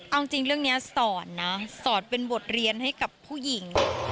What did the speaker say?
เอาจริงเรื่องนี้สอนนะสอนเป็นบทเรียนให้กับผู้หญิง